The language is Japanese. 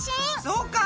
そうか！